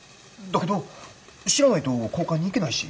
だけど知らないと交換に行けないし。